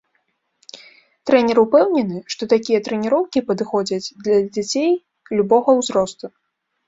Трэнер упэўнены, што такія трэніроўкі падыходзяць для дзяцей любога ўзросту.